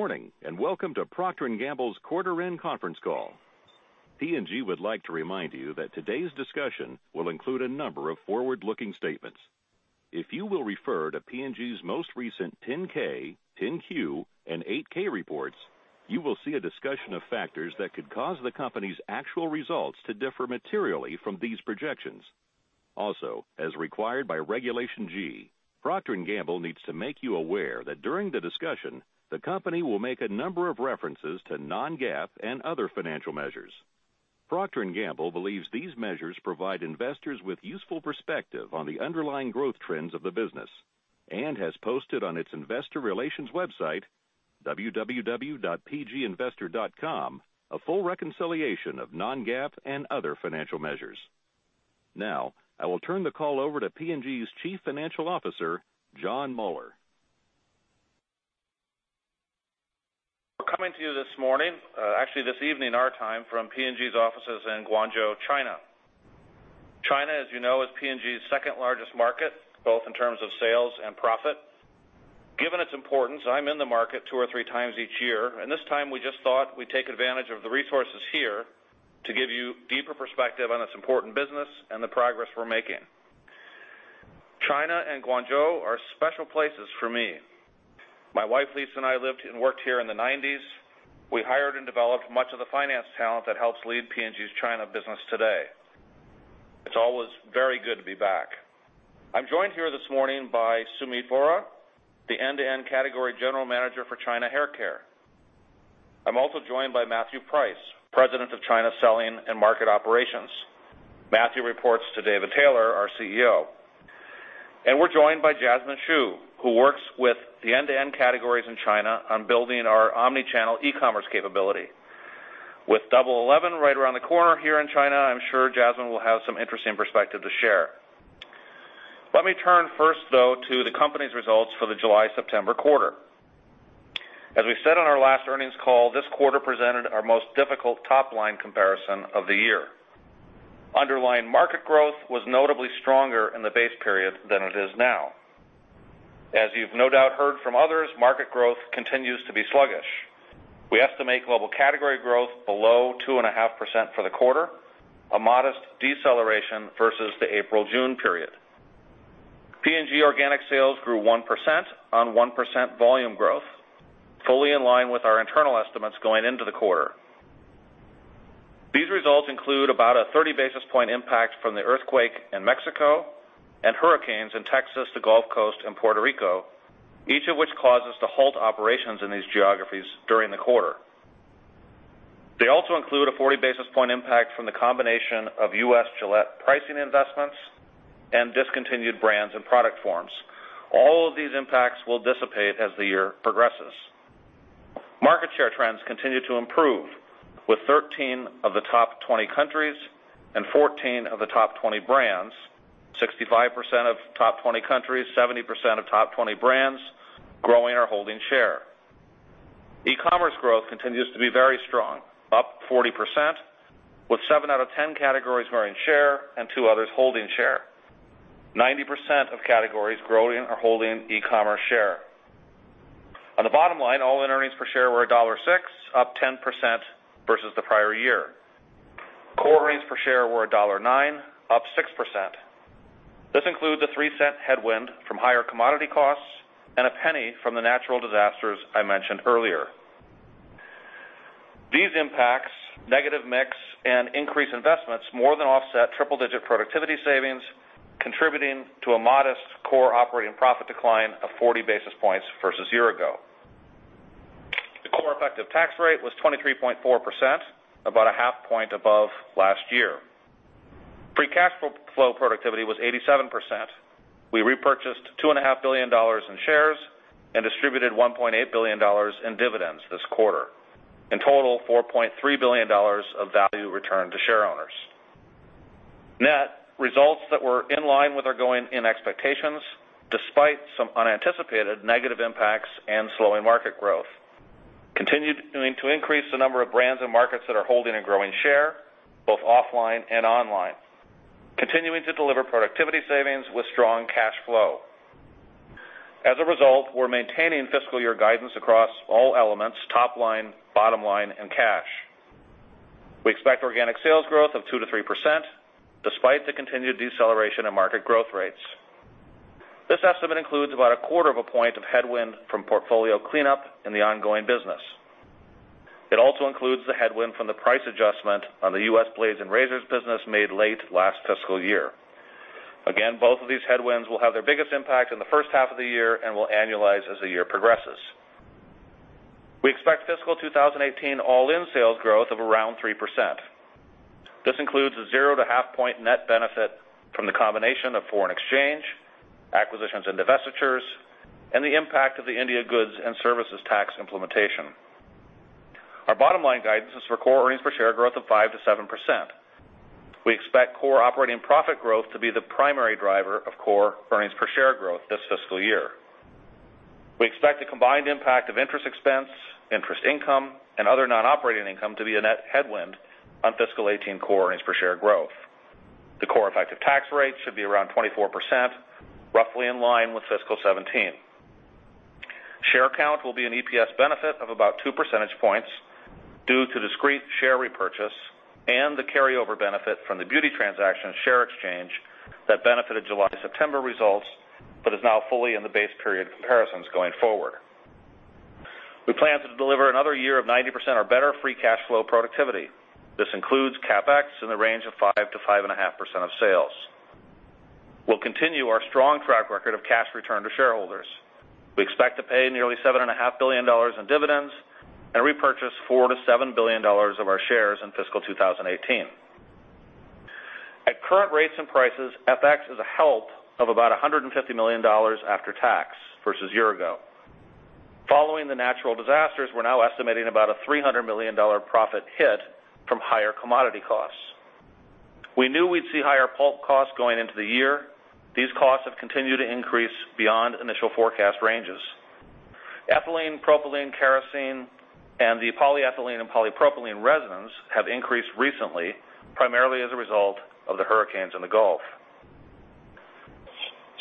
Good morning, welcome to Procter & Gamble's quarter-end conference call. P&G would like to remind you that today's discussion will include a number of forward-looking statements. If you will refer to P&G's most recent 10-K, 10-Q, and 8-K reports, you will see a discussion of factors that could cause the company's actual results to differ materially from these projections. Also, as required by Regulation G, Procter & Gamble needs to make you aware that during the discussion, the company will make a number of references to non-GAAP and other financial measures. Procter & Gamble believes these measures provide investors with useful perspective on the underlying growth trends of the business, and has posted on its investor relations website, www.pginvestor.com, a full reconciliation of non-GAAP and other financial measures. Now, I will turn the call over to P&G's Chief Financial Officer, Jon Moeller. We're coming to you this morning, actually this evening our time, from P&G's offices in Guangzhou, China. China, as you know, is P&G's second largest market, both in terms of sales and profit. Given its importance, I'm in the market two or three times each year, this time we just thought we'd take advantage of the resources here to give you deeper perspective on this important business and the progress we're making. China and Guangzhou are special places for me. My wife, Lisa, and I lived and worked here in the '90s. We hired and developed much of the finance talent that helps lead P&G's China business today. It's always very good to be back. I'm joined here this morning by Sumeet Vohra, the end-to-end Category General Manager for China Hair Care. I'm also joined by Matthew Price, President of China Selling and Market Operations. Matthew reports to David Taylor, our CEO. We're joined by Jasmine Xu, who works with the end-to-end categories in China on building our omnichannel e-commerce capability. With Double 11 right around the corner here in China, I'm sure Jasmine will have some interesting perspective to share. Let me turn first, though, to the company's results for the July-September quarter. As we said on our last earnings call, this quarter presented our most difficult top-line comparison of the year. Underlying market growth was notably stronger in the base period than it is now. As you've no doubt heard from others, market growth continues to be sluggish. We estimate global category growth below 2.5% for the quarter, a modest deceleration versus the April-June period. P&G organic sales grew 1% on 1% volume growth, fully in line with our internal estimates going into the quarter. These results include about a 30 basis point impact from the earthquake in Mexico and hurricanes in Texas, the Gulf Coast, and Puerto Rico, each of which caused us to halt operations in these geographies during the quarter. They also include a 40 basis point impact from the combination of U.S. Gillette pricing investments and discontinued brands and product forms. All of these impacts will dissipate as the year progresses. Market share trends continue to improve, with 13 of the top 20 countries and 14 of the top 20 brands, 65% of top 20 countries, 70% of top 20 brands, growing or holding share. E-commerce growth continues to be very strong, up 40%, with seven out of 10 categories growing share and two others holding share. 90% of categories growing or holding e-commerce share. On the bottom line, all-in earnings per share were $1.06, up 10% versus the prior year. Core earnings per share were $1.09, up 6%. This includes a $0.03 headwind from higher commodity costs and a $0.01 from the natural disasters I mentioned earlier. These impacts, negative mix, and increased investments more than offset triple-digit productivity savings, contributing to a modest core operating profit decline of 40 basis points versus a year ago. The core effective tax rate was 23.4%, about a half point above last year. Free cash flow productivity was 87%. We repurchased $2.5 billion in shares and distributed $1.8 billion in dividends this quarter. In total, $4.3 billion of value returned to shareowners. Net results that were in line with our going-in expectations, despite some unanticipated negative impacts and slowing market growth. Continued to increase the number of brands and markets that are holding and growing share, both offline and online. Continuing to deliver productivity savings with strong cash flow. We're maintaining fiscal year guidance across all elements, top line, bottom line, and cash. We expect organic sales growth of 2%-3%, despite the continued deceleration in market growth rates. This estimate includes about a quarter of a point of headwind from portfolio cleanup in the ongoing business. It also includes the headwind from the price adjustment on the U.S. blades and razors business made late last fiscal year. Again, both of these headwinds will have their biggest impact in the first half of the year and will annualize as the year progresses. We expect fiscal 2018 all-in sales growth of around 3%. This includes a zero to half point net benefit from the combination of foreign exchange, acquisitions and divestitures, and the impact of the India Goods and Services Tax implementation. Our bottom line guidance is for core earnings per share growth of 5%-7%. We expect core operating profit growth to be the primary driver of core earnings per share growth this fiscal year. We expect the combined impact of interest expense, interest income, and other non-operating income to be a net headwind on fiscal 2018 core earnings per share growth. The core effective tax rate should be around 24%, roughly in line with fiscal 2017. Share count will be an EPS benefit of about two percentage points due to discrete share repurchase and the carryover benefit from the Beauty transaction share exchange that benefited July to September results, but is now fully in the base period comparisons going forward. We plan to deliver another year of 90% or better free cash flow productivity. This includes CapEx in the range of 5%-5.5% of sales. We'll continue our strong track record of cash return to shareholders. We expect to pay nearly $7.5 billion in dividends and repurchase $4 billion-$7 billion of our shares in fiscal 2018. At current rates and prices, FX is a help of about $150 million after tax versus year ago. Following the natural disasters, we're now estimating about a $300 million profit hit from higher commodity costs. We knew we'd see higher pulp costs going into the year. These costs have continued to increase beyond initial forecast ranges. Ethylene, propylene, kerosene, and the polyethylene and polypropylene resins have increased recently, primarily as a result of the hurricanes in the Gulf.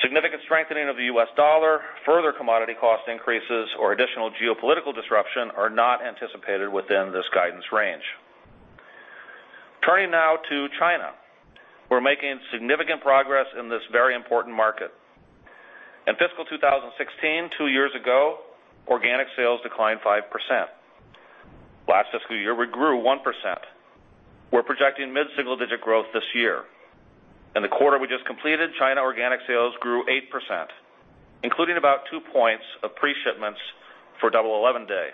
Significant strengthening of the U.S. dollar, further commodity cost increases, or additional geopolitical disruption are not anticipated within this guidance range. Turning now to China. We're making significant progress in this very important market. In fiscal 2016, two years ago, organic sales declined 5%. Last fiscal year, we grew 1%. We're projecting mid-single digit growth this year. In the quarter we just completed, China organic sales grew 8%, including about two points of pre-shipments for Double 11 Day.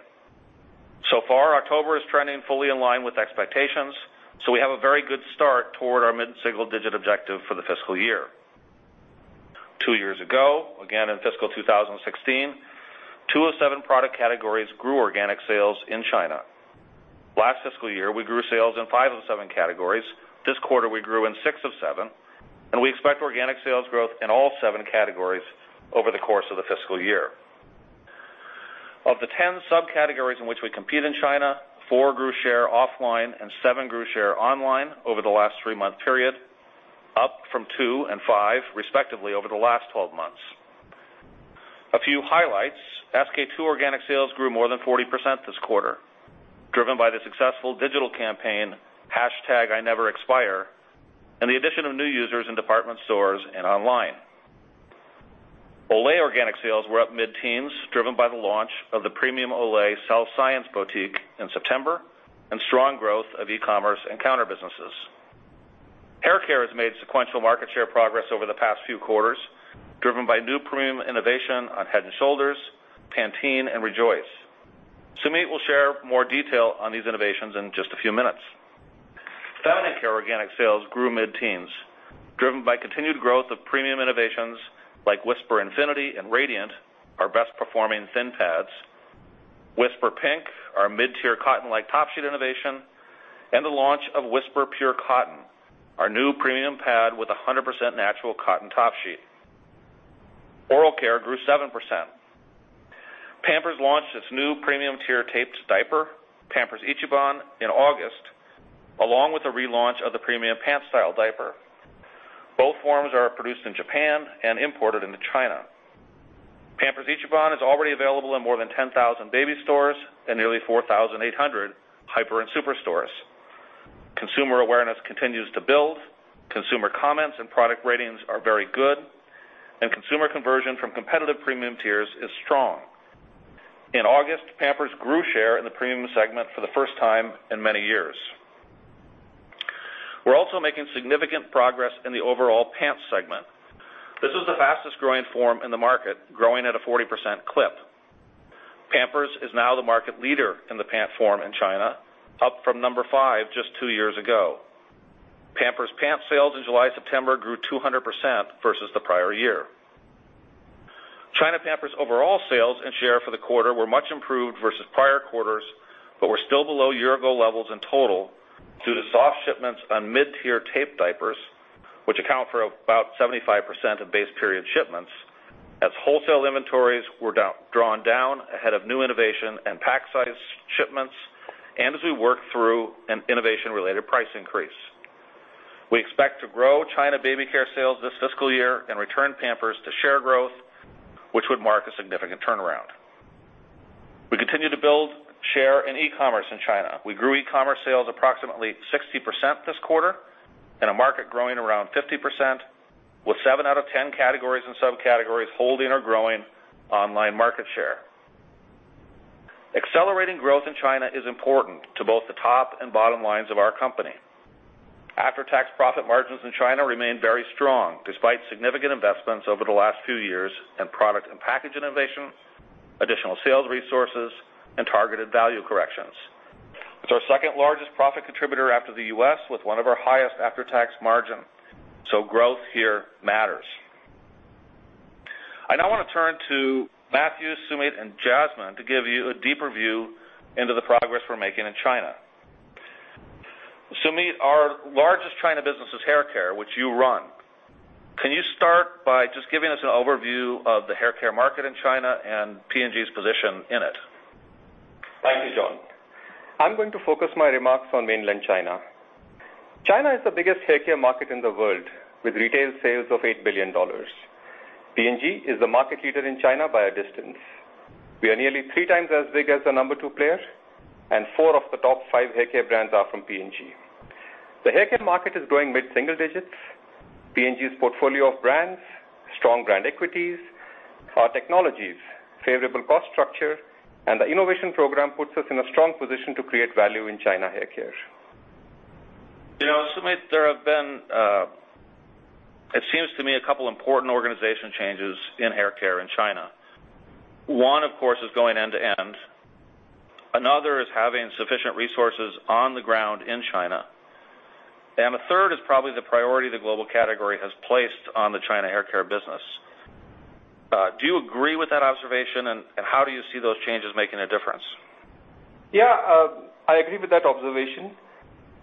October is trending fully in line with expectations, so we have a very good start toward our mid-single digit objective for the fiscal year. Two years ago, again in fiscal 2016, two of seven product categories grew organic sales in China. Last fiscal year, we grew sales in five of the seven categories. This quarter, we grew in six of seven, and we expect organic sales growth in all seven categories over the course of the fiscal year. Of the 10 subcategories in which we compete in China, four grew share offline and seven grew share online over the last three-month period, up from two and five, respectively, over the last 12 months. A few highlights, SK-II organic sales grew more than 40% this quarter, driven by the successful digital campaign, #INeverExpire, and the addition of new users in department stores and online. Olay organic sales were up mid-teens, driven by the launch of the premium Olay CellScience Boutique in September and strong growth of e-commerce and counter businesses. Hair care has made sequential market share progress over the past few quarters, driven by new premium innovation on Head & Shoulders, Pantene, and Rejoice. Sumeet will share more detail on these innovations in just a few minutes. Family care organic sales grew mid-teens, driven by continued growth of premium innovations like Whisper Infinity and Radiant, our best performing thin pads, Whisper Pink, our mid-tier cotton-like top sheet innovation, and the launch of Whisper Pure Cotton, our new premium pad with 100% natural cotton top sheet. Oral care grew 7%. Pampers launched its new premium tier taped diaper, Pampers Ichiban, in August, along with the relaunch of the premium pant-style diaper. Both forms are produced in Japan and imported into China. Pampers Ichiban is already available in more than 10,000 baby stores and nearly 4,800 hyper and superstores. Consumer awareness continues to build, consumer comments and product ratings are very good, and consumer conversion from competitive premium tiers is strong. In August, Pampers grew share in the premium segment for the first time in many years. We're also making significant progress in the overall pants segment. This is the fastest growing form in the market, growing at a 40% clip. Pampers is now the market leader in the pant form in China, up from number five just two years ago. Pampers pant sales in July to September grew 200% versus the prior year. China Pampers overall sales and share for the quarter were much improved versus prior quarters, but were still below year-ago levels in total due to soft shipments on mid-tier taped diapers, which account for about 75% of base period shipments, as wholesale inventories were drawn down ahead of new innovation and pack size shipments, and as we work through an innovation-related price increase. We expect to grow China baby care sales this fiscal year and return Pampers to share growth, which would mark a significant turnaround. We continue to build share in e-commerce in China. We grew e-commerce sales approximately 60% this quarter in a market growing around 50%, with seven out of ten categories and subcategories holding or growing online market share. Accelerating growth in China is important to both the top and bottom lines of our company. After-tax profit margins in China remain very strong despite significant investments over the last few years in product and package innovation, additional sales resources, and targeted value corrections. It's our second largest profit contributor after the U.S., with one of our highest after-tax margin. So growth here matters. I now want to turn to Matthew, Sumeet, and Jasmine to give you a deeper view into the progress we're making in China. Sumeet, our largest China business is hair care, which you run. Can you start by just giving us an overview of the hair care market in China and P&G's position in it? I'm going to focus my remarks on mainland China. China is the biggest haircare market in the world, with retail sales of $8 billion. P&G is the market leader in China by a distance. We are nearly three times as big as the number 2 player, and four of the top five haircare brands are from P&G. The haircare market is growing mid-single digits. P&G's portfolio of brands, strong brand equities, our technologies, favorable cost structure, and the innovation program puts us in a strong position to create value in China haircare. Sumeet, there have been, it seems to me, a couple important organization changes in haircare in China. One, of course, is going end-to-end. Another is having sufficient resources on the ground in China. A third is probably the priority the global category has placed on the China haircare business. Do you agree with that observation, and how do you see those changes making a difference? Yeah, I agree with that observation.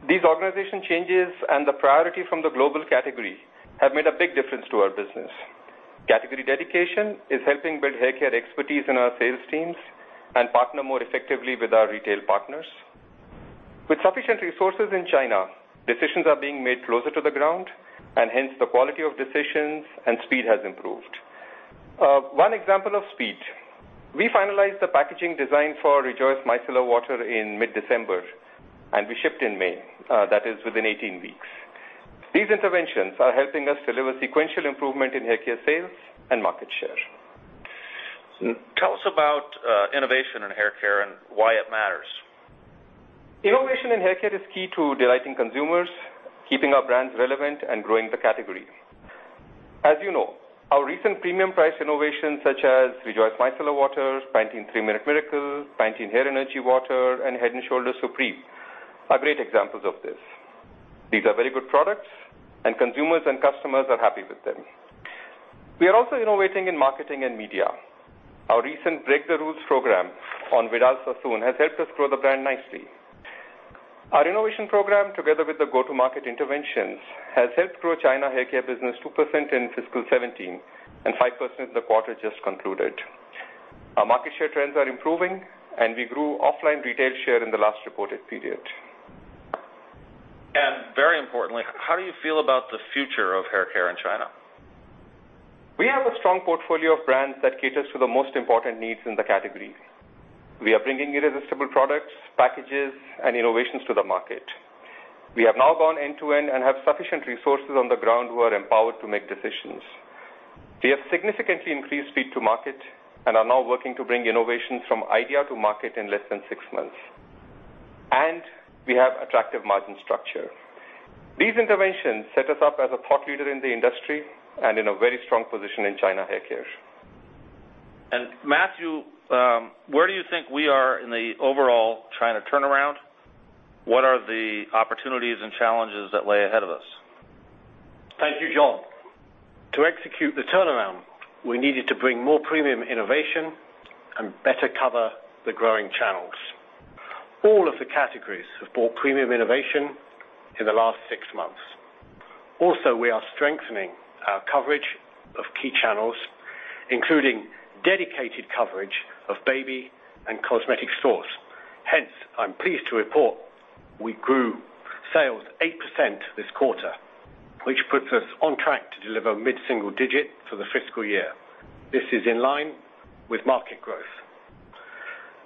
These organization changes and the priority from the global category have made a big difference to our business. Category dedication is helping build haircare expertise in our sales teams and partner more effectively with our retail partners. With sufficient resources in China, decisions are being made closer to the ground, and hence, the quality of decisions and speed has improved. One example of speed, we finalized the packaging design for Rejoice Micellar Water in mid-December, and we shipped in May. That is within 18 weeks. These interventions are helping us deliver sequential improvement in haircare sales and market share. Tell us about innovation in haircare and why it matters? Innovation in haircare is key to delighting consumers, keeping our brands relevant, and growing the category. As you know, our recent premium price innovations, such as Rejoice Micellar Waters, Pantene 3 Minute Miracle, Pantene Hair Energy Water, and Head & Shoulders Supreme, are great examples of this. These are very good products, and consumers and customers are happy with them. We are also innovating in marketing and media. Our recent Break the Rules program on Vidal Sassoon has helped us grow the brand nicely. Our innovation program, together with the go-to-market interventions, has helped grow China haircare business 2% in fiscal 2017, and 5% in the quarter just concluded. Our market share trends are improving, and we grew offline retail share in the last reported period. Very importantly, how do you feel about the future of haircare in China? We have a strong portfolio of brands that caters to the most important needs in the category. We are bringing irresistible products, packages, and innovations to the market. We have now gone end-to-end and have sufficient resources on the ground who are empowered to make decisions. We have significantly increased speed to market and are now working to bring innovations from idea to market in less than six months. We have attractive margin structure. These interventions set us up as a thought leader in the industry and in a very strong position in China haircare. Matthew Price, where do you think we are in the overall China turnaround? What are the opportunities and challenges that lay ahead of us? Thank you, Jon Moeller. To execute the turnaround, we needed to bring more premium innovation and better cover the growing channels. All of the categories have brought premium innovation in the last six months. Also, we are strengthening our coverage of key channels, including dedicated coverage of baby and cosmetic stores. Hence, I'm pleased to report we grew sales 8% this quarter, which puts us on track to deliver mid-single digit for the fiscal year. This is in line with market growth.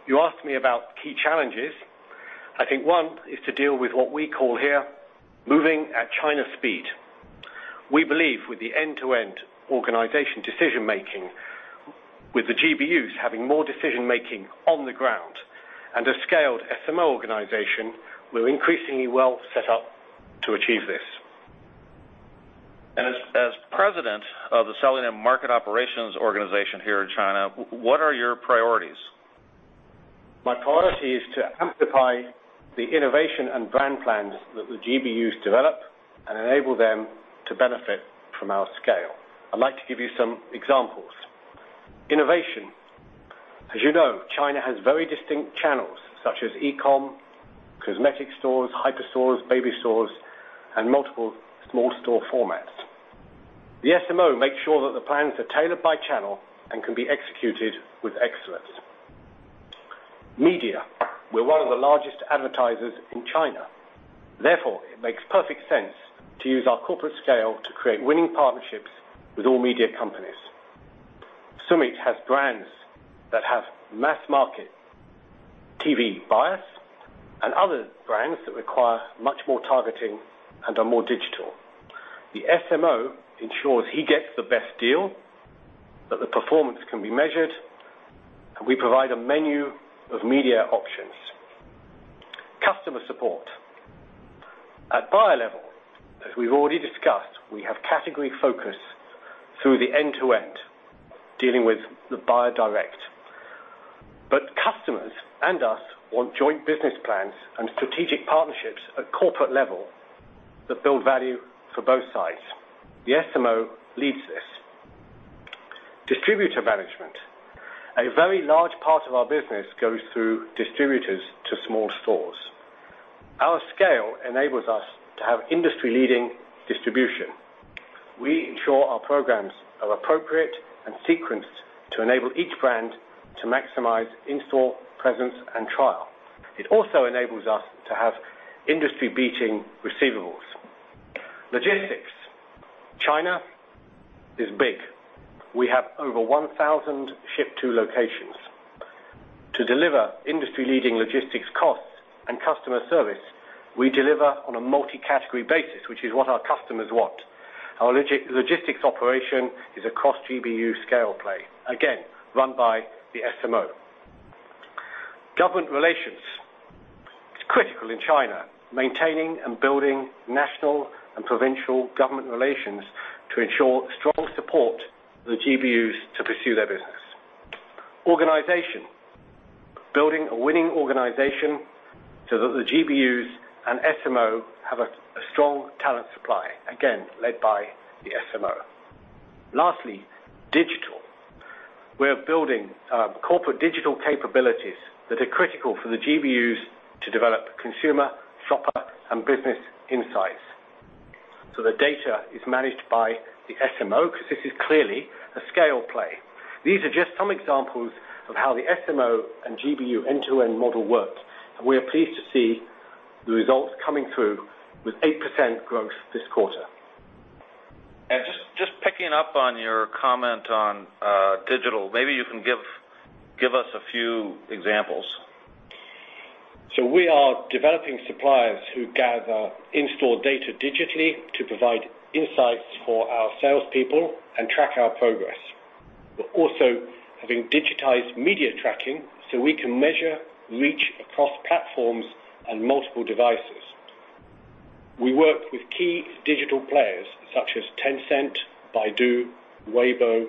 You asked me about key challenges. I think one is to deal with what we call here, moving at China speed. We believe with the end-to-end organization decision-making, with the GBUs having more decision-making on the ground, and a scaled SMO organization, we're increasingly well set up to achieve this. As President of the Selling and Market Operations organization here in China, what are your priorities? My priority is to amplify the innovation and brand plans that the GBUs develop and enable them to benefit from our scale. I'd like to give you some examples. Innovation. As you know, China has very distinct channels, such as e-commerce, cosmetic stores, hyper stores, baby stores, and multiple small store formats. The SMO makes sure that the plans are tailored by channel and can be executed with excellence. Media. We're one of the largest advertisers in China. Therefore, it makes perfect sense to use our corporate scale to create winning partnerships with all media companies. Sumeet has brands that have mass-market TV buyers and other brands that require much more targeting and are more digital. The SMO ensures he gets the best deal, that the performance can be measured, and we provide a menu of media options. Customer support. At buyer level, as we've already discussed, we have category focus through the end-to-end, dealing with the buyer direct. Customers and us want joint business plans and strategic partnerships at corporate level that build value for both sides. The SMO leads this. Distributor management. A very large part of our business goes through distributors to small stores. Our scale enables us to have industry-leading distribution. We ensure our programs are appropriate and sequenced to enable each brand to maximize in-store presence and trial. It also enables us to have industry-beating receivables. Logistics. China is big. We have over 1,000 ship-to locations. To deliver industry-leading logistics costs and customer service, we deliver on a multi-category basis, which is what our customers want. Our logistics operation is across GBU scale play, again, run by the SMO. Government relations. It's critical in China, maintaining and building national and provincial government relations to ensure strong support for the GBUs to pursue their business. Organization. Building a winning organization so that the GBUs and SMO have a strong talent supply, again, led by the SMO. Lastly, digital. We're building corporate digital capabilities that are critical for the GBUs to develop consumer, shopper, and business insights. The data is managed by the SMO because this is clearly a scale play. These are just some examples of how the SMO and GBU end-to-end model works, and we are pleased to see the results coming through with 8% growth this quarter. Just picking up on your comment on digital, maybe you can give us a few examples. We are developing suppliers who gather in-store data digitally to provide insights for our salespeople and track our progress. We're also having digitized media tracking so we can measure reach across platforms and multiple devices. We work with key digital players such as Tencent, Baidu, Weibo,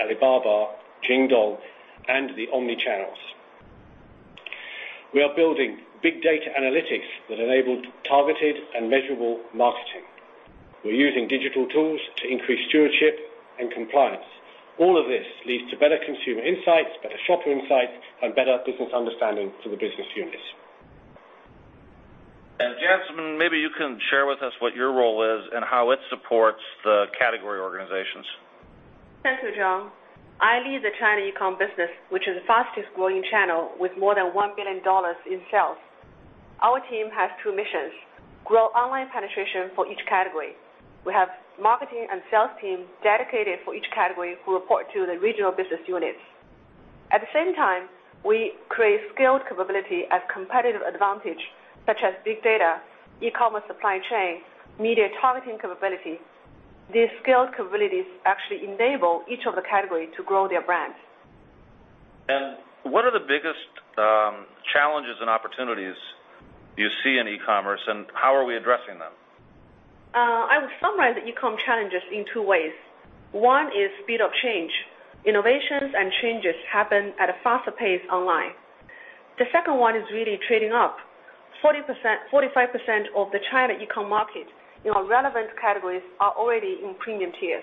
Alibaba, Jingdong, and the omnichannels. We are building big data analytics that enable targeted and measurable marketing. We're using digital tools to increase stewardship and compliance. All of this leads to better consumer insights, better shopper insights, and better business understanding for the business units. Jasmine, maybe you can share with us what your role is and how it supports the category organizations. Thank you, Jon. I lead the China e-com business, which is the fastest-growing channel with more than $1 billion in sales. Our team has two missions, grow online penetration for each category. We have marketing and sales team dedicated for each category who report to the regional business units. At the same time, we create scaled capability as competitive advantage, such as big data, e-commerce supply chain, media targeting capability. These scaled capabilities actually enable each of the category to grow their brands. What are the biggest challenges and opportunities you see in e-commerce, and how are we addressing them? I would summarize the e-com challenges in two ways. One is speed of change. Innovations and changes happen at a faster pace online. The second one is really trading up. 45% of the China e-com market in our relevant categories are already in premium tiers.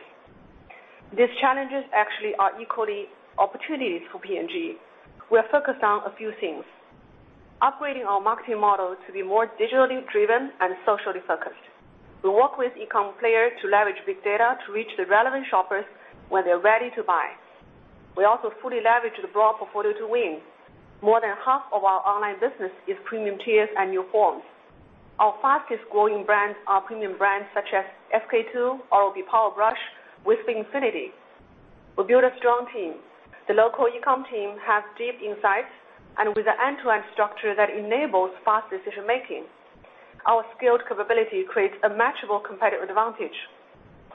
These challenges actually are equally opportunities for P&G. We are focused on a few things. Upgrading our marketing models to be more digitally driven and socially focused. We work with e-com player to leverage big data to reach the relevant shoppers when they're ready to buy. We also fully leverage the broad portfolio to win. More than half of our online business is premium tiers and new forms. Our fastest-growing brands are premium brands such as SK-II, Oral-B Power Brush, Whisper Infinity. We build a strong team. The local e-com team has deep insights, and with an end-to-end structure that enables fast decision-making. Our scaled capability creates a matchable competitive advantage.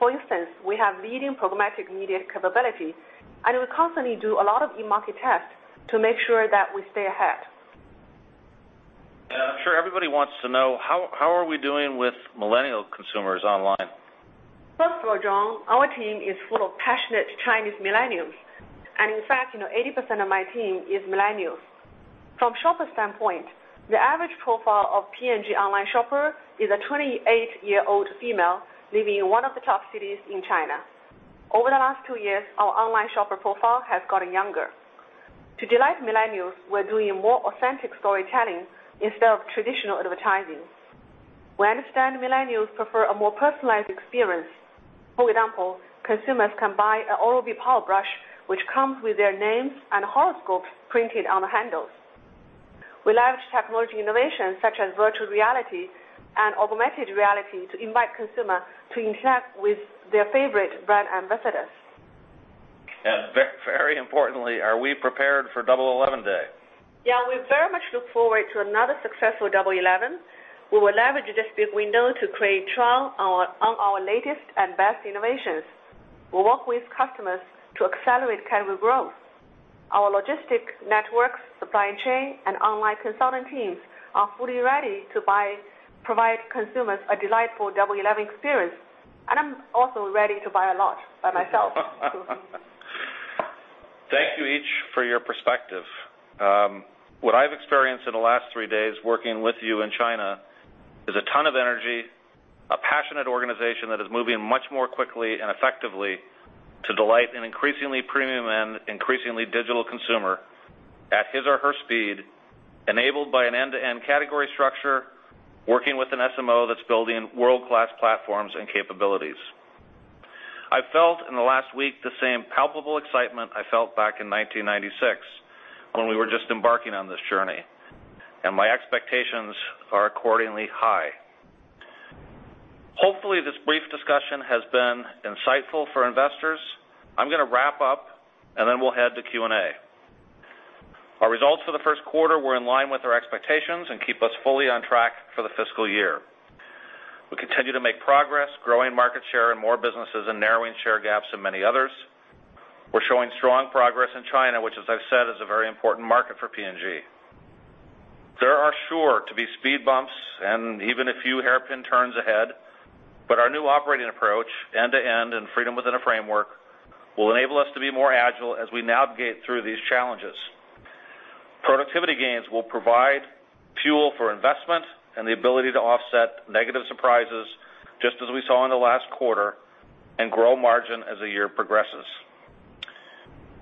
For instance, we have leading programmatic media capability, we constantly do a lot of e-market tests to make sure that we stay ahead. I'm sure everybody wants to know, how are we doing with millennial consumers online? First of all, Jon, our team is full of passionate Chinese millennials. In fact, 80% of my team is millennials. From shopper standpoint, the average profile of P&G online shopper is a 28-year-old female living in one of the top cities in China. Over the last two years, our online shopper profile has gotten younger. To delight millennials, we're doing a more authentic storytelling instead of traditional advertising. We understand millennials prefer a more personalized experience. For example, consumers can buy an Oral-B Power Brush, which comes with their names and horoscope printed on the handles. We leverage technology innovation such as virtual reality and augmented reality to invite consumer to interact with their favorite brand ambassadors. Very importantly, are we prepared for Double 11 Day? Yeah, we very much look forward to another successful Double 11. We will leverage this big window to create trial on our latest and best innovations. We work with customers to accelerate category growth. Our logistics networks, supply chain, and online consultant teams are fully ready to provide consumers a delightful Double 11 experience. I'm also ready to buy a lot by myself, too. Thank you each for your perspective. What I've experienced in the last three days working with you in China is a ton of energy. Passionate organization that is moving much more quickly and effectively to delight an increasingly premium and increasingly digital consumer at his or her speed, enabled by an end-to-end category structure, working with an SMO that's building world-class platforms and capabilities. I felt in the last week the same palpable excitement I felt back in 1996 when we were just embarking on this journey. My expectations are accordingly high. Hopefully, this brief discussion has been insightful for investors. I'm going to wrap up. We'll head to Q&A. Our results for the first quarter were in line with our expectations and keep us fully on track for the fiscal year. We continue to make progress growing market share in more businesses and narrowing share gaps in many others. We're showing strong progress in China, which as I've said, is a very important market for P&G. There are sure to be speed bumps and even a few hairpin turns ahead. Our new operating approach, end-to-end and freedom within a framework, will enable us to be more agile as we navigate through these challenges. Productivity gains will provide fuel for investment and the ability to offset negative surprises, just as we saw in the last quarter, and grow margin as the year progresses.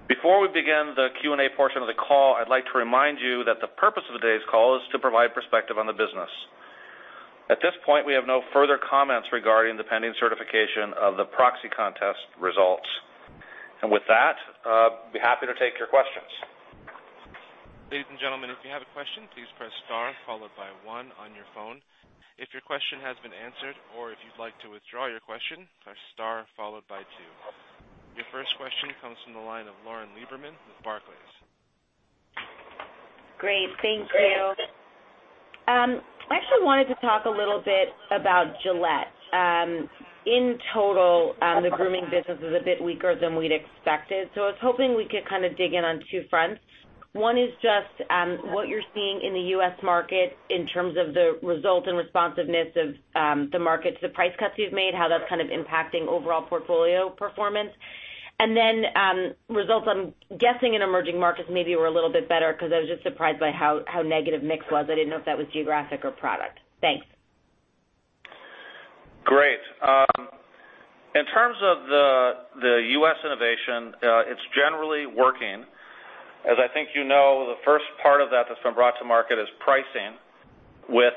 Before we begin the Q&A portion of the call, I'd like to remind you that the purpose of today's call is to provide perspective on the business. At this point, we have no further comments regarding the pending certification of the proxy contest results. With that, I'd be happy to take your questions. Ladies and gentlemen, if you have a question, please press star followed by one on your phone. If your question has been answered or if you'd like to withdraw your question, press star followed by two. Your first question comes from the line of Lauren Lieberman with Barclays. Great. Thank you. I actually wanted to talk a little bit about Gillette. In total, the grooming business is a bit weaker than we'd expected. I was hoping we could kind of dig in on two fronts. One is just what you're seeing in the U.S. market in terms of the result and responsiveness of the market to the price cuts you've made, how that's kind of impacting overall portfolio performance. Results, I'm guessing in emerging markets maybe were a little bit better because I was just surprised by how negative mix was. I didn't know if that was geographic or product. Thanks. Great. In terms of the U.S. innovation, it's generally working. As I think you know, the first part of that that's been brought to market is pricing with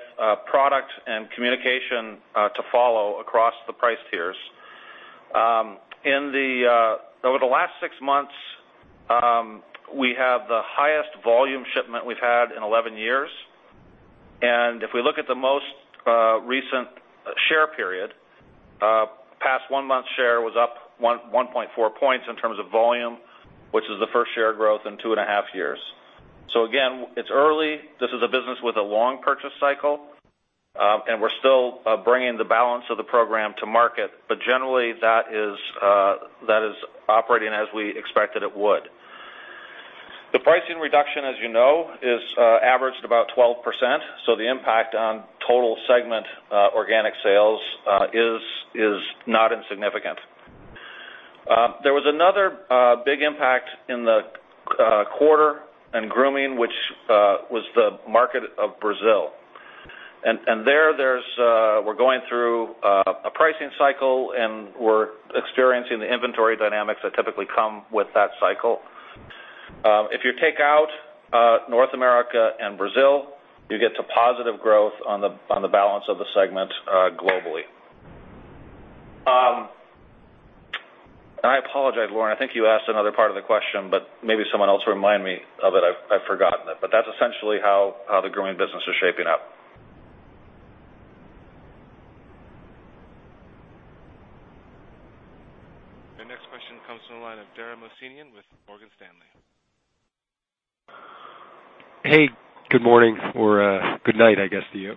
product and communication to follow across the price tiers. Over the last six months, we have the highest volume shipment we've had in 11 years. If we look at the most recent share period, past one month share was up 1.4 points in terms of volume, which is the first share growth in two and a half years. Again, it's early. This is a business with a long purchase cycle, and we're still bringing the balance of the program to market. Generally, that is operating as we expected it would. The pricing reduction, as you know, is averaged about 12%, so the impact on total segment organic sales is not insignificant. There was another big impact in the quarter and grooming, which was the market of Brazil. There, we're going through a pricing cycle, and we're experiencing the inventory dynamics that typically come with that cycle. If you take out North America and Brazil, you get to positive growth on the balance of the segment globally. I apologize, Lauren, I think you asked another part of the question, but maybe someone else remind me of it. I've forgotten it, but that's essentially how the grooming business is shaping up. The next question comes from the line of Dara Mohsenian with Morgan Stanley. Hey, good morning, or good night, I guess, to you.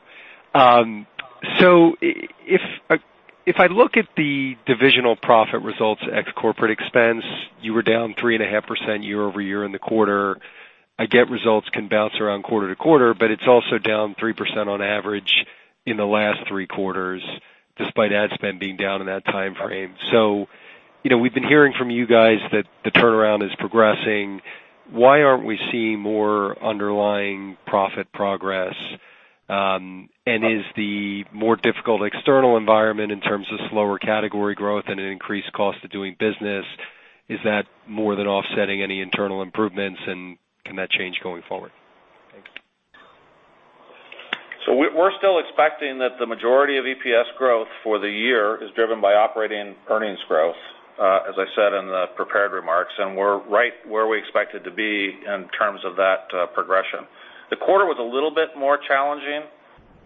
If I look at the divisional profit results ex-corporate expense, you were down 3.5% year-over-year in the quarter. I get results can bounce around quarter to quarter, but it's also down 3% on average in the last three quarters, despite ad spend being down in that timeframe. We've been hearing from you guys that the turnaround is progressing. Why aren't we seeing more underlying profit progress? Is the more difficult external environment in terms of slower category growth and an increased cost of doing business, is that more than offsetting any internal improvements, and can that change going forward? Thanks. We're still expecting that the majority of EPS growth for the year is driven by operating earnings growth, as I said in the prepared remarks, and we're right where we expected to be in terms of that progression. The quarter was a little bit more challenging,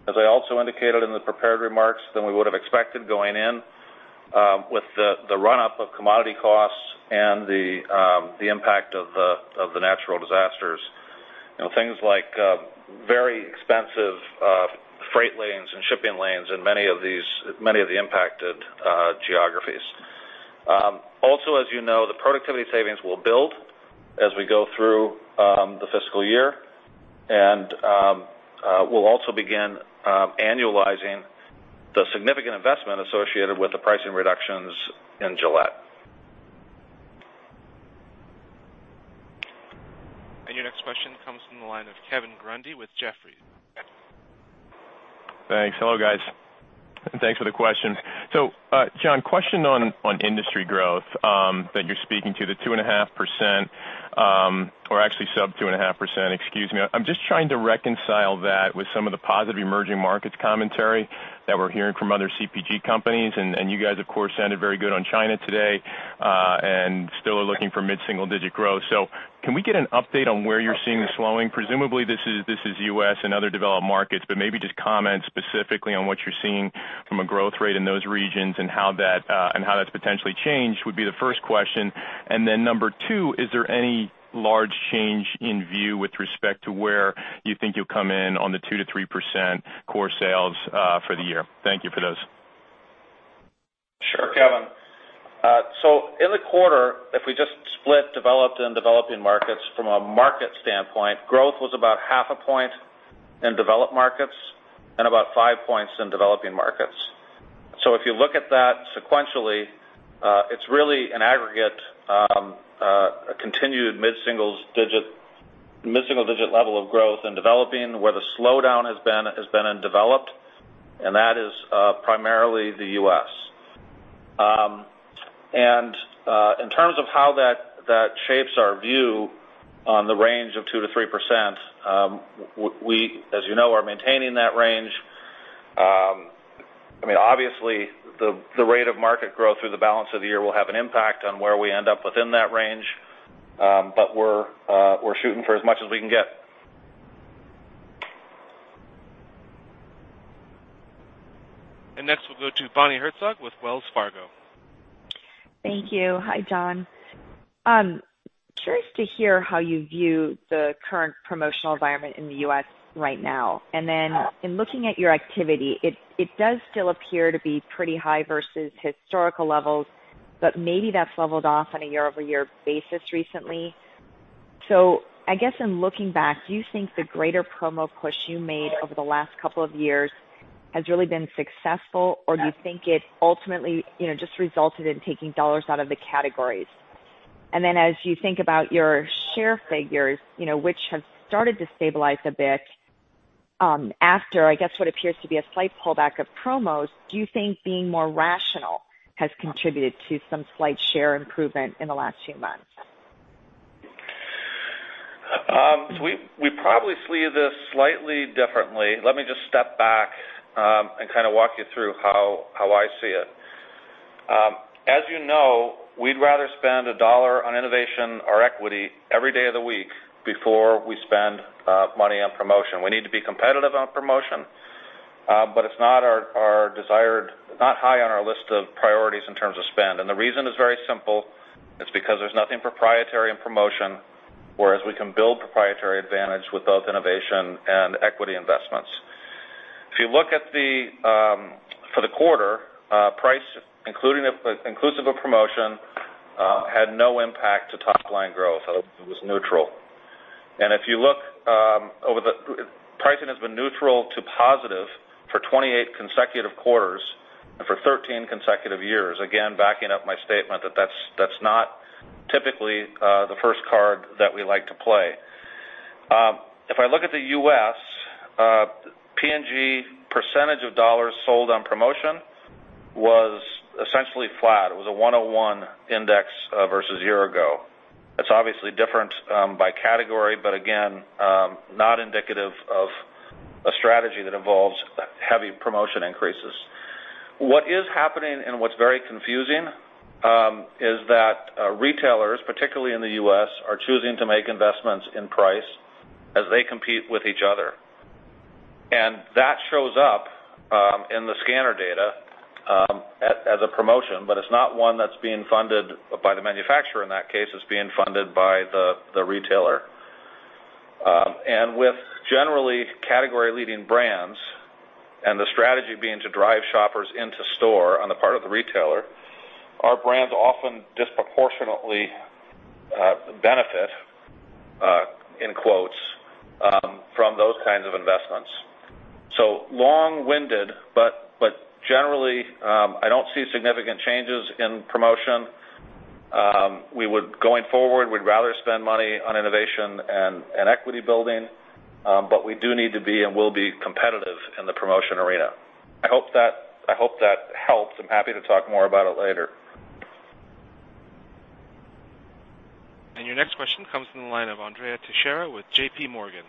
as I also indicated in the prepared remarks, than we would have expected going in, with the run-up of commodity costs and the impact of the natural disasters, things like very expensive freight lanes and shipping lanes in many of the impacted geographies. As you know, the productivity savings will build as we go through the fiscal year, and we'll also begin annualizing the significant investment associated with the pricing reductions in Gillette. Your next question comes from the line of Kevin Grundy with Jefferies. Thanks. Hello, guys, and thanks for the question. Jon, question on industry growth that you're speaking to, the 2.5% or actually sub 2.5%, excuse me. I'm just trying to reconcile that with some of the positive emerging markets commentary that we're hearing from other CPG companies. You guys, of course, sounded very good on China today, and still are looking for mid-single-digit growth. Can we get an update on where you're seeing the slowing? Presumably, this is U.S. and other developed markets, but maybe just comment specifically on what you're seeing from a growth rate in those regions and how that's potentially changed, would be the first question. Number 2, is there any large change in view with respect to where you think you'll come in on the 2%-3% core sales for the year? Thank you for those. Sure, Kevin. In the quarter, if we just split developed and developing markets from a market standpoint, growth was about half a point in developed markets and about 5 points in developing markets. If you look at that sequentially, it's really an aggregate, a continued mid-single-digit level of growth in developing where the slowdown has been in developed, and that is primarily the U.S. In terms of how that shapes our view on the range of 2%-3%, we, as you know, are maintaining that range. Obviously, the rate of market growth through the balance of the year will have an impact on where we end up within that range. We're shooting for as much as we can get. Next we'll go to Bonnie Herzog with Wells Fargo. Thank you. Hi, Jon. Curious to hear how you view the current promotional environment in the U.S. right now. In looking at your activity, it does still appear to be pretty high versus historical levels, but maybe that's leveled off on a year-over-year basis recently. I guess in looking back, do you think the greater promo push you made over the last couple of years has really been successful? Do you think it ultimately just resulted in taking dollars out of the categories? As you think about your share figures which have started to stabilize a bit, after, I guess, what appears to be a slight pullback of promos, do you think being more rational has contributed to some slight share improvement in the last few months? We probably see this slightly differently. Let me just step back and walk you through how I see it. As you know, we'd rather spend a dollar on innovation or equity every day of the week before we spend money on promotion. We need to be competitive on promotion, but it's not high on our list of priorities in terms of spend. The reason is very simple. It's because there's nothing proprietary in promotion, whereas we can build proprietary advantage with both innovation and equity investments. If you look at for the quarter, price inclusive of promotion, had no impact to top-line growth. It was neutral. If you look, pricing has been neutral to positive for 28 consecutive quarters and for 13 consecutive years. Again, backing up my statement that that's not typically the first card that we like to play. If I look at the U.S., P&G percentage of dollars sold on promotion was essentially flat. It was a 101 index versus year ago. That's obviously different by category, but again, not indicative of a strategy that involves heavy promotion increases. What is happening and what's very confusing is that retailers, particularly in the U.S., are choosing to make investments in price as they compete with each other. That shows up in the scanner data as a promotion, but it's not one that's being funded by the manufacturer in that case, it's being funded by the retailer. With generally category-leading brands and the strategy being to drive shoppers into store on the part of the retailer, our brands often disproportionately "benefit" from those kinds of investments. Long-winded, but generally, I don't see significant changes in promotion. Going forward, we'd rather spend money on innovation and equity building. We do need to be and will be competitive in the promotion arena. I hope that helps. I'm happy to talk more about it later. Your next question comes from the line of Andrea Teixeira with JPMorgan.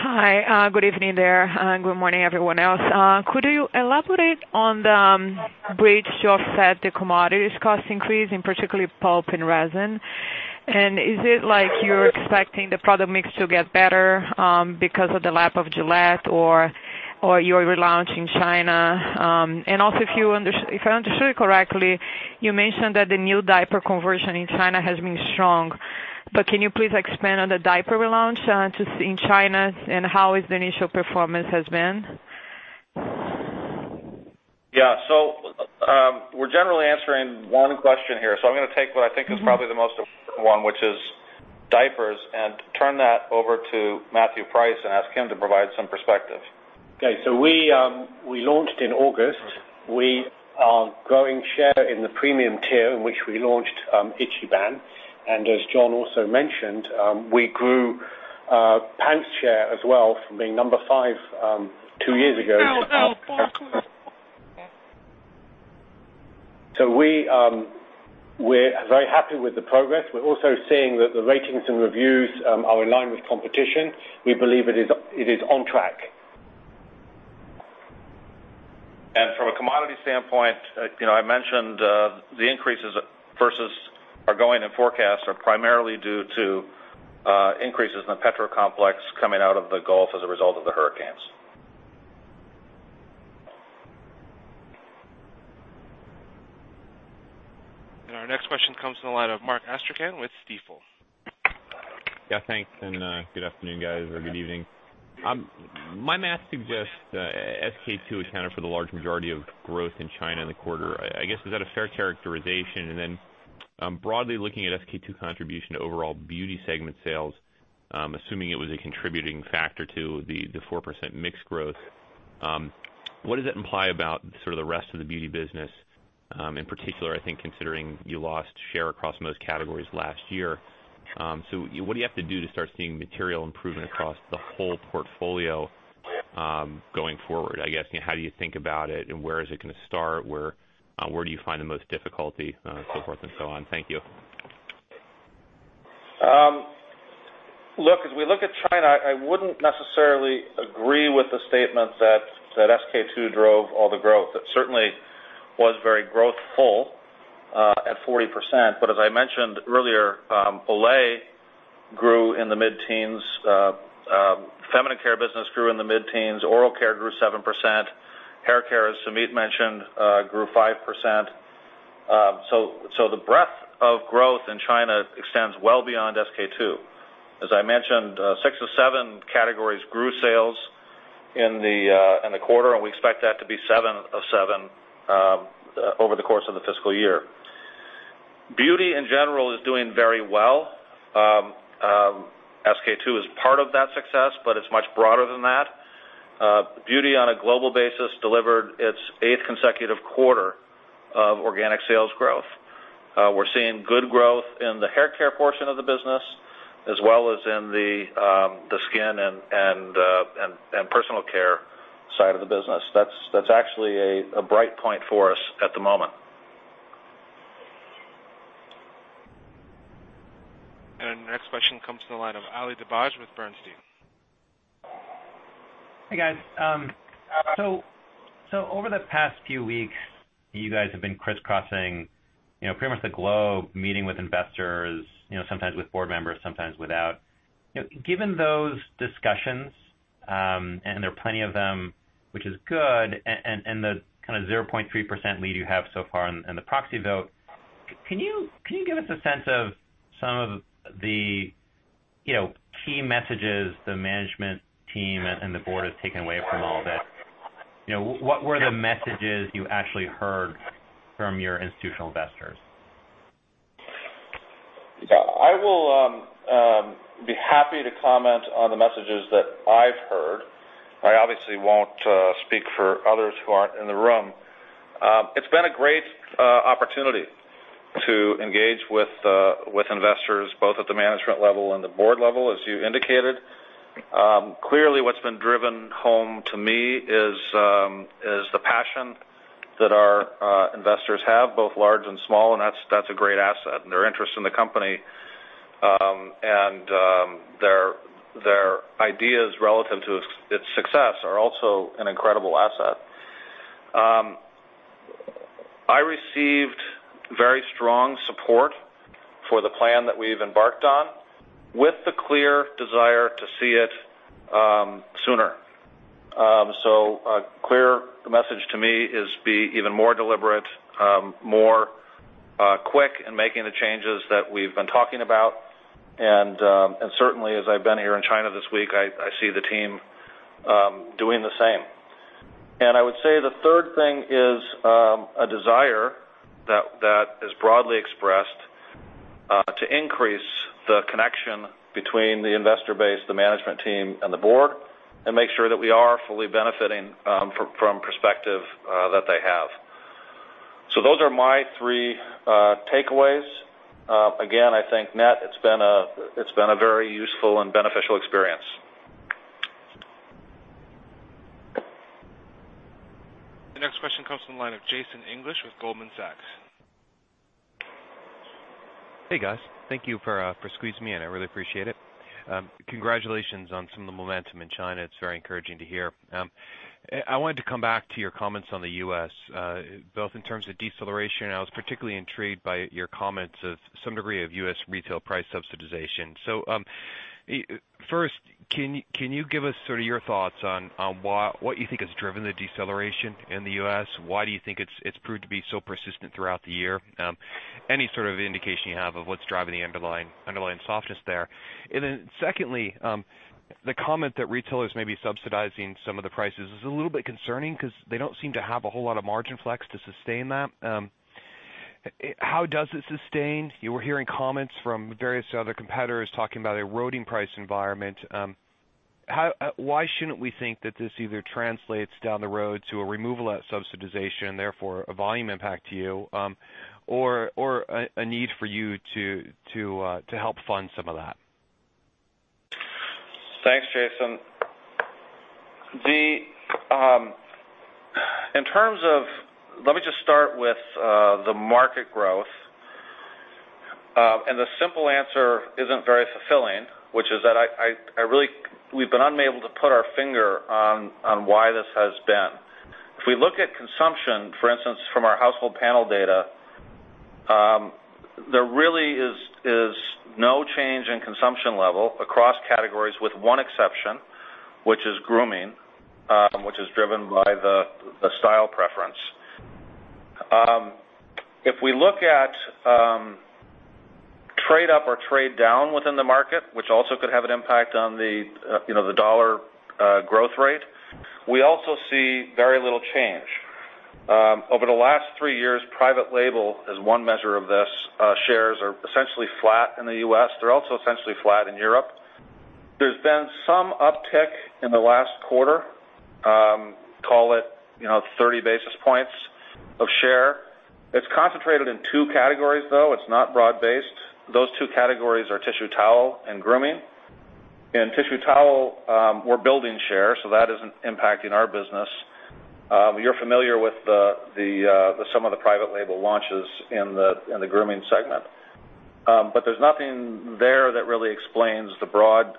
Hi. Good evening there, and good morning, everyone else. Could you elaborate on the ways to offset the commodities cost increase, in particularly pulp and resin? Is it like you're expecting the product mix to get better because of the lap of Gillette or your relaunch in China? If I understood it correctly, you mentioned that the new diaper conversion in China has been strong. Can you please expand on the diaper relaunch in China and how the initial performance has been? Yeah. We're generally answering one question here. I'm going to take what I think is probably the most important one, which is diapers, and turn that over to Matthew Price and ask him to provide some perspective. Okay. We launched in August. We are growing share in the premium tier in which we launched Ichiban, and as Jon also mentioned, we grew pants share as well from being number 5 two years ago. We're very happy with the progress. We're also seeing that the ratings and reviews are in line with competition. We believe it is on track. From a commodity standpoint, I mentioned the increases versus are going and forecast are primarily due to increases in the petrol complex coming out of the Gulf as a result of the hurricanes. Our next question comes to the line of Mark Astrachan with Stifel. Yeah, thanks, good afternoon, guys, or good evening. My math suggests that SK-II accounted for the large majority of growth in China in the quarter. I guess, is that a fair characterization? Broadly looking at SK-II contribution to overall beauty segment sales, assuming it was a contributing factor to the 4% mix growth, what does that imply about sort of the rest of the beauty business, in particular, I think considering you lost share across most categories last year. What do you have to do to start seeing material improvement across the whole portfolio going forward, I guess, how do you think about it, and where is it going to start? Where do you find the most difficulty so forth and so on? Thank you. Look, as we look at China, I wouldn't necessarily agree with the statement that SK-II drove all the growth. It certainly was very growthful at 40%, but as I mentioned earlier, Olay grew in the mid-teens. Feminine care business grew in the mid-teens. Oral care grew 7%. Hair care, as Sumeet mentioned, grew 5%. The breadth of growth in China extends well beyond SK-II. As I mentioned, six of seven categories grew sales in the quarter, and we expect that to be seven of seven over the course of the fiscal year. Beauty in general is doing very well. SK-II is part of that success, but it's much broader than that. Beauty on a global basis delivered its eighth consecutive quarter of organic sales growth. We're seeing good growth in the hair care portion of the business, as well as in the skin and personal care side of the business. That's actually a bright point for us at the moment. Our next question comes to the line of Ali Dibadj with Bernstein. Hey, guys. Over the past few weeks, you guys have been crisscrossing pretty much the globe, meeting with investors, sometimes with board members, sometimes without. Given those discussions, and there are plenty of them, which is good, and the kind of 0.3% lead you have so far in the proxy vote, can you give us a sense of some of the key messages the management team and the board has taken away from all this? What were the messages you actually heard from your institutional investors? I will be happy to comment on the messages that I've heard. I obviously won't speak for others who aren't in the room. It's been a great opportunity to engage with investors both at the management level and the board level, as you indicated. Clearly, what's been driven home to me is the passion that our investors have, both large and small, and that's a great asset, and their interest in the company, and their ideas relative to its success are also an incredible asset. I received very strong support for the plan that we've embarked on with the clear desire to see it sooner. A clear message to me is be even more deliberate, more quick in making the changes that we've been talking about, and certainly as I've been here in China this week, I see the team doing the same. I would say the third thing is a desire that is broadly expressed to increase the connection between the investor base, the management team, and the board and make sure that we are fully benefiting from perspective that they have. Those are my three takeaways. Again, I think, net, it's been a very useful and beneficial experience. The next question comes from the line of Jason English with Goldman Sachs. Hey, guys. Thank you for squeezing me in. I really appreciate it. Congratulations on some of the momentum in China. It's very encouraging to hear. I wanted to come back to your comments on the U.S., both in terms of deceleration. I was particularly intrigued by your comments of some degree of U.S. retail price subsidization. First, can you give us sort of your thoughts on what you think has driven the deceleration in the U.S.? Why do you think it's proved to be so persistent throughout the year? Any sort of indication you have of what's driving the underlying softness there? Secondly, the comment that retailers may be subsidizing some of the prices is a little bit concerning because they don't seem to have a whole lot of margin flex to sustain that. How does it sustain? You were hearing comments from various other competitors talking about eroding price environment. Why shouldn't we think that this either translates down the road to a removal at subsidization, therefore a volume impact to you or a need for you to help fund some of that? Thanks, Jason. Let me just start with the market growth. The simple answer isn't very fulfilling, which is that we've been unable to put our finger on why this has been. If we look at consumption, for instance, from our household panel data, there really is no change in consumption level across categories with one exception, which is grooming, which is driven by the style preference. If we look at trade up or trade down within the market, which also could have an impact on the dollar growth rate, we also see very little change. Over the last three years, private label as one measure of this, shares are essentially flat in the U.S. They're also essentially flat in Europe. There's been some uptick in the last quarter, call it 30 basis points of share. It's concentrated in 2 categories, though. It's not broad-based. Those two categories are tissue towel and grooming. In tissue towel, we're building share, that isn't impacting our business. You're familiar with some of the private label launches in the grooming segment. There's nothing there that really explains the broad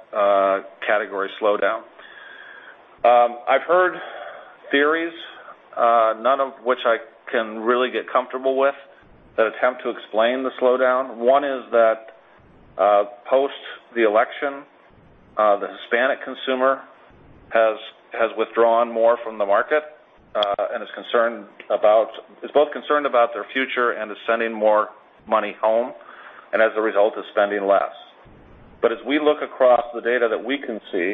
category slowdown. I've heard theories, none of which I can really get comfortable with, that attempt to explain the slowdown. One is that post the election, the Hispanic consumer has withdrawn more from the market, and is both concerned about their future and is sending more money home, and as a result, is spending less. As we look across the data that we can see,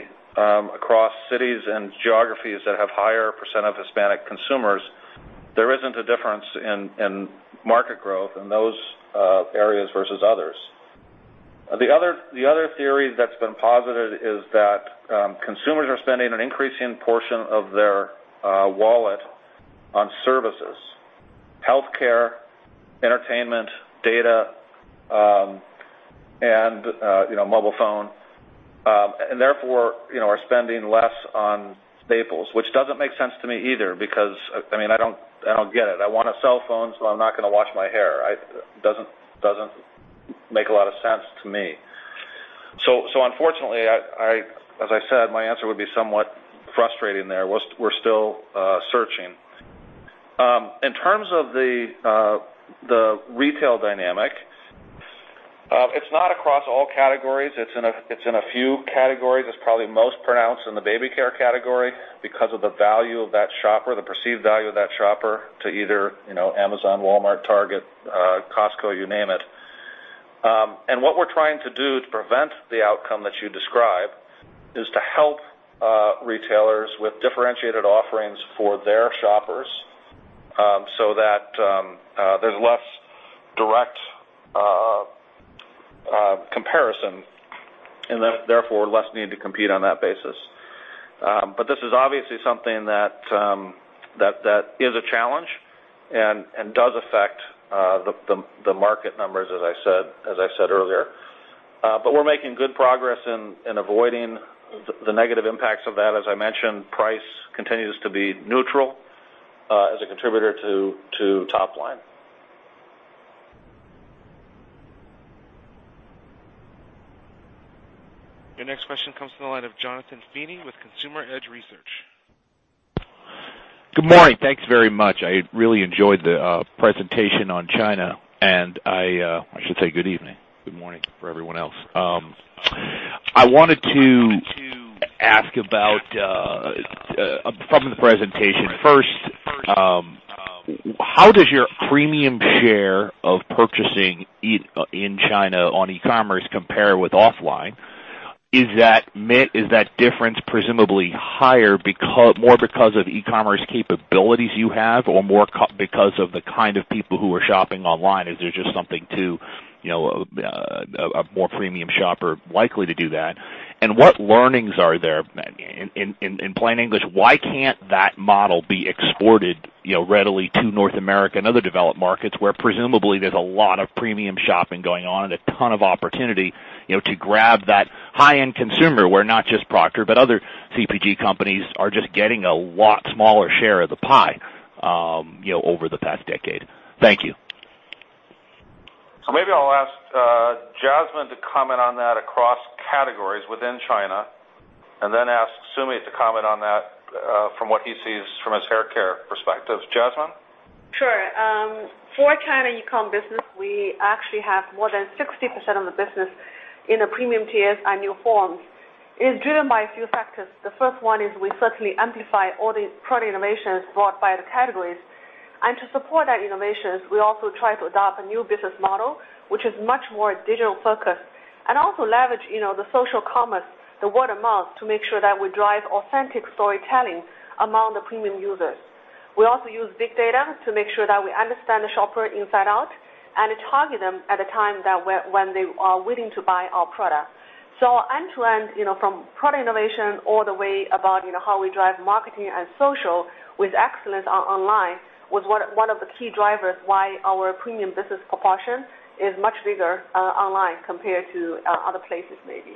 across cities and geographies that have higher % of Hispanic consumers, there isn't a difference in market growth in those areas versus others. The other theory that's been posited is that consumers are spending an increasing portion of their wallet on services, healthcare, entertainment, data, and mobile phone, therefore, are spending less on staples, which doesn't make sense to me either because, I don't get it. I want a cell phone, I'm not going to wash my hair. It doesn't make a lot of sense to me. Unfortunately, as I said, my answer would be somewhat frustrating there. We're still searching. In terms of the retail dynamic, it's not across all categories. It's in a few categories. It's probably most pronounced in the baby care category because of the value of that shopper, the perceived value of that shopper to either Amazon, Walmart, Target, Costco, you name it. What we're trying to do to prevent the outcome that you describe is to help retailers with differentiated offerings for their shoppers, that there's less direct comparison and therefore less need to compete on that basis. This is obviously something that is a challenge and does affect the market numbers, as I said earlier. We're making good progress in avoiding the negative impacts of that. As I mentioned, price continues to be neutral as a contributor to top line. Your next question comes from the line of Jonathan Feeney with Consumer Edge Research. Good morning. Thanks very much. I really enjoyed the presentation on China. I should say good evening. Good morning for everyone else. I wanted to ask about from the presentation. First, how does your premium share of purchasing in China on e-commerce compare with offline? Is that difference presumably more because of e-commerce capabilities you have, or more because of the kind of people who are shopping online? Is there just something to a more premium shopper likely to do that? What learnings are there? In plain English, why can't that model be exported readily to North America and other developed markets where presumably there's a lot of premium shopping going on and a ton of opportunity to grab that high-end consumer where not just Procter, but other CPG companies are just getting a lot smaller share of the pie over the past decade? Thank you. Maybe I'll ask Jasmine to comment on that across categories within China, and then ask Sumeet to comment on that from what he sees from his haircare perspective. Jasmine? Sure. For China e-commerce business, we actually have more than 60% of the business in the premium tiers and new forms. It's driven by a few factors. The first one is we certainly amplify all the product innovations brought by the categories. To support our innovations, we also try to adopt a new business model, which is much more digital-focused. Also leverage the social commerce, the word of mouth, to make sure that we drive authentic storytelling among the premium users. We also use big data to make sure that we understand the shopper inside out and target them at a time when they are willing to buy our product. End-to-end, from product innovation all the way about how we drive marketing and social with excellence online was one of the key drivers why our premium business proportion is much bigger online compared to other places, maybe.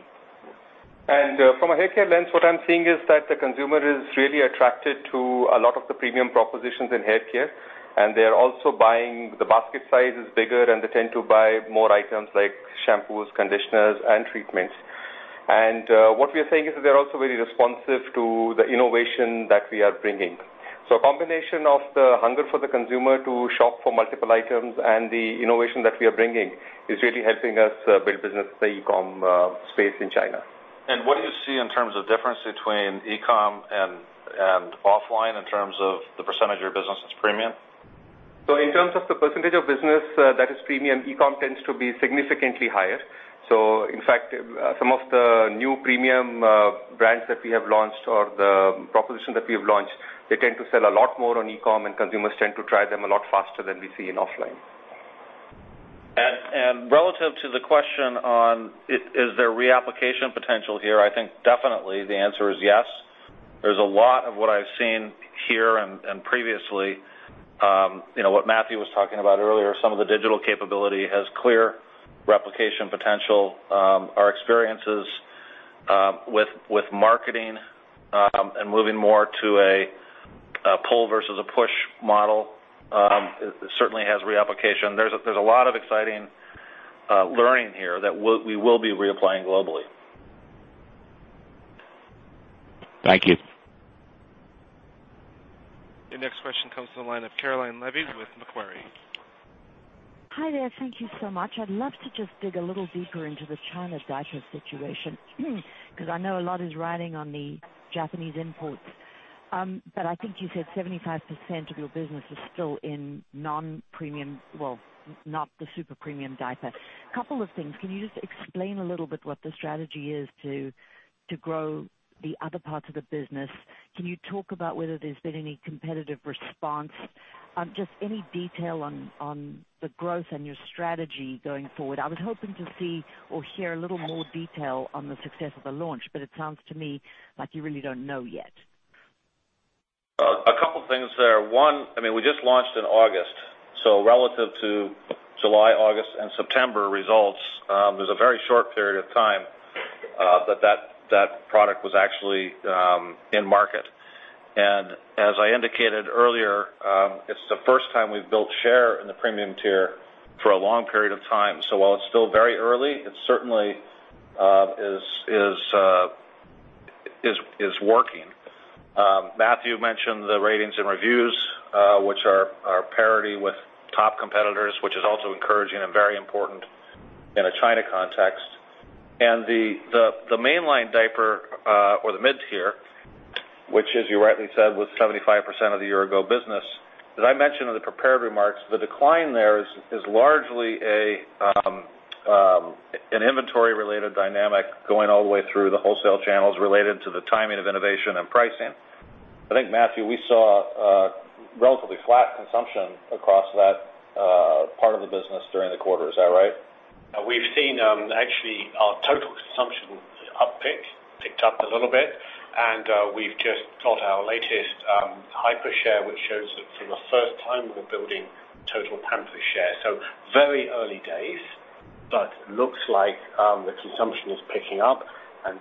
From a haircare lens, what I'm seeing is that the consumer is really attracted to a lot of the premium propositions in haircare, and they're also buying. The basket size is bigger, and they tend to buy more items like shampoos, conditioners, and treatments. What we are seeing is they're also very responsive to the innovation that we are bringing. A combination of the hunger for the consumer to shop for multiple items and the innovation that we are bringing is really helping us build business in the e-commerce space in China. What do you see in terms of difference between e-com and offline in terms of the % of your business that's premium? In terms of the % of business that is premium, e-com tends to be significantly higher. In fact, some of the new premium brands that we have launched or the proposition that we have launched, they tend to sell a lot more on e-com, and consumers tend to try them a lot faster than we see in offline. Relative to the question on, is there reapplication potential here, I think definitely the answer is yes. There's a lot of what I've seen here and previously. What Matthew was talking about earlier, some of the digital capability has clear replication potential. Our experiences with marketing and moving more to a pull versus a push model certainly has reapplication. There's a lot of exciting learning here that we will be reapplying globally. Thank you. Your next question comes to the line of Caroline Levy with Macquarie. Hi there. Thank you so much. I'd love to just dig a little deeper into the China diaper situation, because I know a lot is riding on the Japanese imports. I think you said 75% of your business is still in non-premium, well, not the super premium diaper. Couple of things. Can you just explain a little bit what the strategy is to grow the other parts of the business? Can you talk about whether there's been any competitive response? Just any detail on the growth and your strategy going forward. I was hoping to see or hear a little more detail on the success of the launch, but it sounds to me like you really don't know yet. A couple things there. One, we just launched in August. Relative to July, August, and September results, it was a very short period of time that that product was actually in market. As I indicated earlier, it's the first time we've built share in the premium tier for a long period of time. While it's still very early, it certainly is working. Matthew mentioned the ratings and reviews, which are parity with top competitors, which is also encouraging and very important in a China context. The mainline diaper, or the mid-tier, which as you rightly said, was 75% of the year-ago business, as I mentioned in the prepared remarks, the decline there is largely an inventory-related dynamic going all the way through the wholesale channels related to the timing of innovation and pricing. I think, Matthew, we saw relatively flat consumption across that part of the business during the quarter. Is that right? We've seen actually our total consumption has ticked up a little bit. We've just got our latest hyper share, which shows that for the first time, we're building total Pampers share. Very early days, but looks like the consumption is picking up.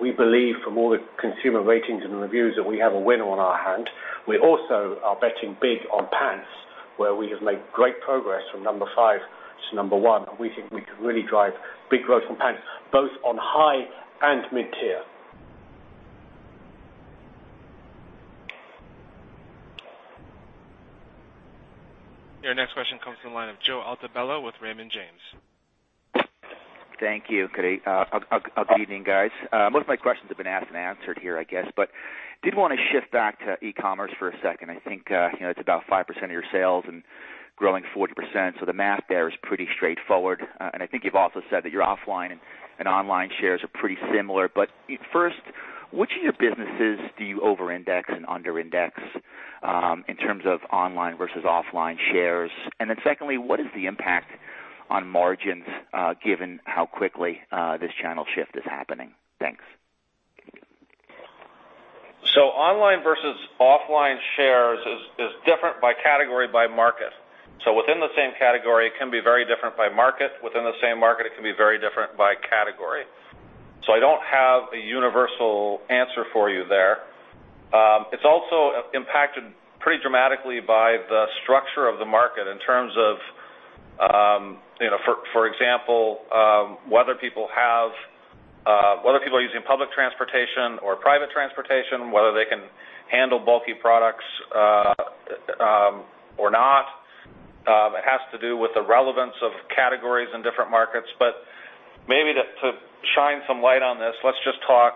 We believe from all the consumer ratings and reviews that we have a winner on our hand. We also are betting big on pants, where we have made great progress from number 5 to number 1. We think we can really drive big growth in pants, both on high and mid-tier. Your next question comes from the line of Joseph Altobello with Raymond James. Thank you. Good evening, guys. Most of my questions have been asked and answered here, I guess. Did want to shift back to e-commerce for a second. I think it's about 5% of your sales and growing 40%. The math there is pretty straightforward. I think you've also said that your offline and online shares are pretty similar. First, which of your businesses do you over-index and under-index in terms of online versus offline shares? Then secondly, what is the impact on margins given how quickly this channel shift is happening? Thanks. Online versus offline shares is different by category, by market. Within the same category, it can be very different by market. Within the same market, it can be very different by category. I don't have a universal answer for you there. It's also impacted pretty dramatically by the structure of the market in terms of, for example, whether people are using public transportation or private transportation, whether they can handle bulky products or not. It has to do with the relevance of categories in different markets. Maybe to shine some light on this, let's just talk.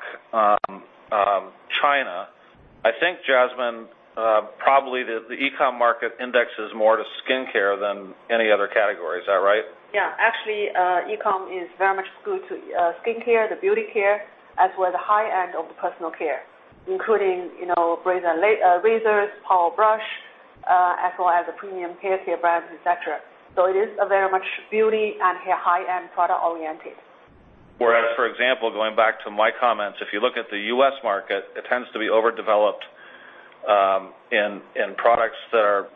Probably the e-com market indexes more to skincare than any other category. Is that right? Yeah. Actually, e-com is very much skewed to skincare, the beauty care, as well as the high end of personal care, including razors, power brush, as well as the premium hair care brands, et cetera. It is very much beauty and hair high-end product oriented. Whereas, for example, going back to my comments, if you look at the U.S. market, it tends to be overdeveloped in products that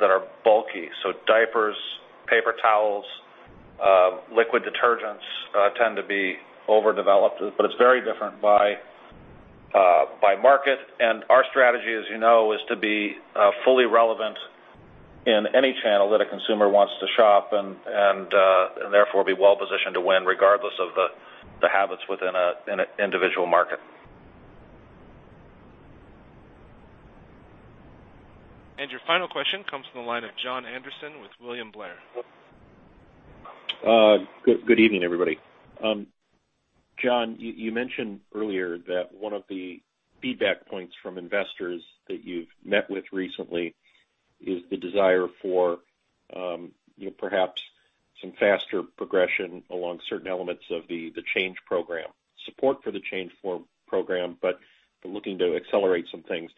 are bulky. Diapers, paper towels, liquid detergents tend to be overdeveloped, but it's very different by market. Our strategy, as you know, is to be fully relevant in any channel that a consumer wants to shop and therefore be well-positioned to win regardless of the habits within an individual market. Your final question comes from the line of Jon Andersen with William Blair. Good evening, everybody. Jon, you mentioned earlier that one of the feedback points from investors that you've met with recently is the desire for perhaps some faster progression along certain elements of the change program, support for the change program, but looking to accelerate some things.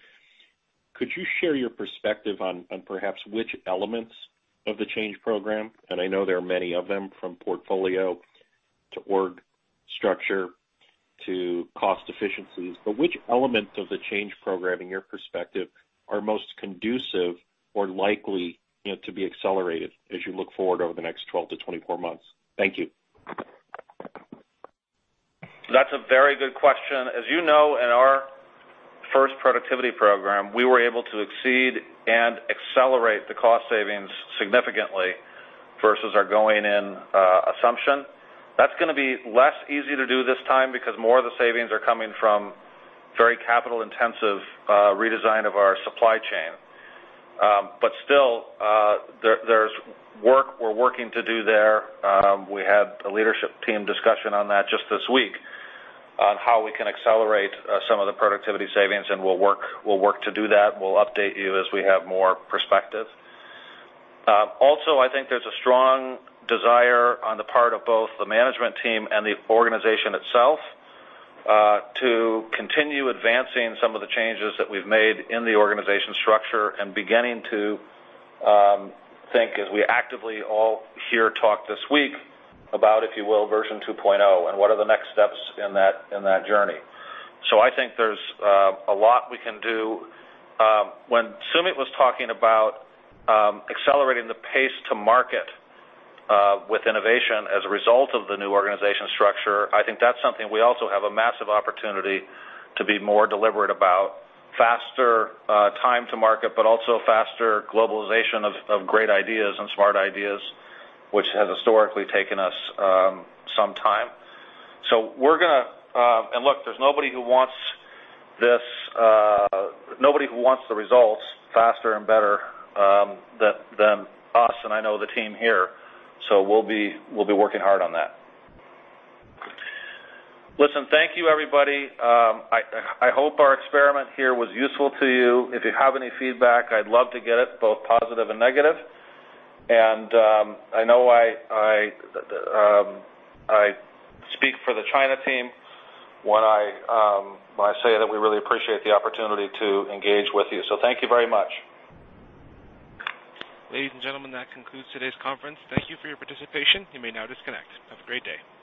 Could you share your perspective on perhaps which elements of the change program, and I know there are many of them, from portfolio to org structure to cost efficiencies, but which elements of the change program, in your perspective, are most conducive or likely to be accelerated as you look forward over the next 12 to 24 months? Thank you. That's a very good question. As you know, in our first productivity program, we were able to exceed and accelerate the cost savings significantly versus our going-in assumption. That's going to be less easy to do this time because more of the savings are coming from very capital-intensive redesign of our supply chain. Still, there's work we're working to do there. We had a leadership team discussion on that just this week on how we can accelerate some of the productivity savings. We'll work to do that. We'll update you as we have more perspective. I think there's a strong desire on the part of both the management team and the organization itself to continue advancing some of the changes that we've made in the organization structure and beginning to think as we actively all hear talk this week about, if you will, version 2.0 and what are the next steps in that journey. I think there's a lot we can do. When Sumeet was talking about accelerating the pace to market with innovation as a result of the new organization structure, I think that's something we also have a massive opportunity to be more deliberate about faster time to market. Also, faster globalization of great ideas and smart ideas, which has historically taken us some time. Look, there's nobody who wants the results faster and better than us, and I know the team here. We'll be working hard on that. Listen, thank you, everybody. I hope our experiment here was useful to you. If you have any feedback, I'd love to get it, both positive and negative. I know I speak for the China team when I say that we really appreciate the opportunity to engage with you. Thank you very much. Ladies and gentlemen, that concludes today's conference. Thank you for your participation. You may now disconnect. Have a great day.